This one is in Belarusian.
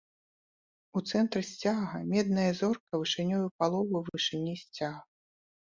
У цэнтры сцяга, медная зорка вышынёй у палову вышыні сцяга.